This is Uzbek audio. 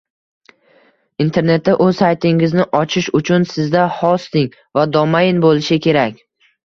Internetda o’z saytingizni ochish uchun Sizda hosting va domain bo’lishi kerak